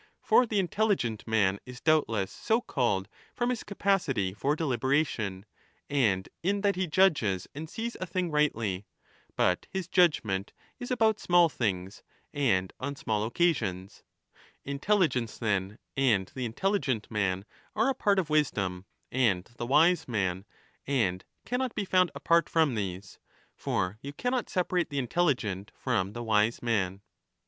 For the intelligent man is doubtless so called from his capacity for delibera tion, and in that he judges and sees a thing rightly. But his judgement is about small things and on small occasions. 15 Intelligence, then, and the intelligent man are a part of wisdom and the wise man, and cannot be found apart from these ; for you cannot separate the intelligent from the wise man.